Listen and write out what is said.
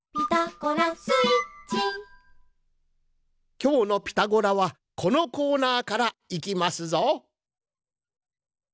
きょうの「ピタゴラ」はこのコーナーからいきますぞ。